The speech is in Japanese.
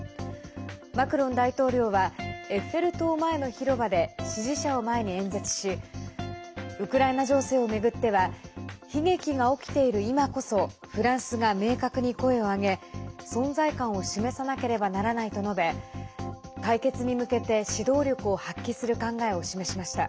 マクロン大統領はエッフェル塔前の広場で支持者を前に演説しウクライナ情勢を巡っては悲劇が起きている今こそフランスが明確に声を上げ存在感を示さなければならないと述べ解決に向けて指導力を発揮する考えを示しました。